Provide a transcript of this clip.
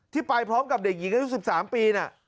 ที่ไปพร้อมกับเด็กหญิงอายุ๑๓ปี